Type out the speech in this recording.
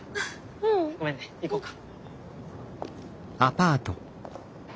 ううん。ごめんね行こうか。